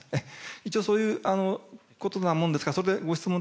一応、そういうことなもんですから、それでご質問